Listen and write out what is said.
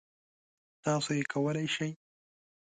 تاسو یې کولی شئ!